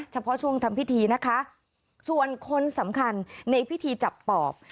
เฉพาะช่วงทำพิธีนะคะส่วนคนสำคัญในพิธีจับปอบ